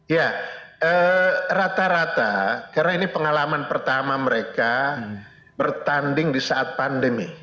ya rata rata karena ini pengalaman pertama mereka bertanding di saat pandemi